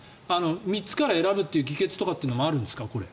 ３つから選ぶという議決もあるんですか？